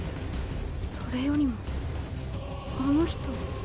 それよりもあの人。